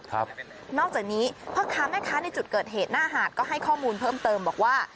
นอกจากนี้พ่อค้าแม่ค้าในจุดเกิดเหตุหน้าหาดก็ให้ข้อมูลเพิ่มเติมบอกว่า